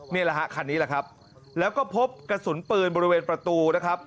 นี่แหละฮะคันนี้แหละครับแล้วก็พบกระสุนปืนบริเวณประตูนะครับ